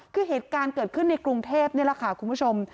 คือเหตุการณ์เกิดขึ้นในกรุงเทพนี่แหละค่ะคุณผู้ชม